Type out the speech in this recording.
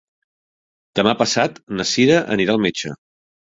Demà passat na Sira anirà al metge.